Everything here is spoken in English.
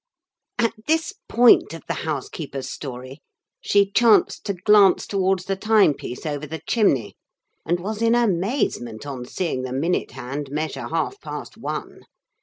At this point of the housekeeper's story she chanced to glance towards the time piece over the chimney; and was in amazement on seeing the minute hand measure half past one.